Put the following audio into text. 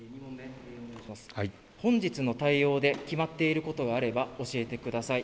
本日の対応で決まっていることがあれば教えてください。